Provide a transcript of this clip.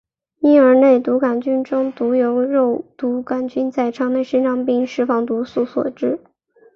婴儿肉毒杆菌中毒由肉毒杆菌在肠内生长并释放毒素所致。